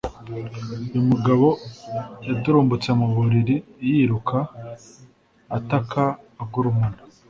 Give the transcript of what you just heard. uyu mugabo yaturumbutse mu buriri yiruka ataka agurumana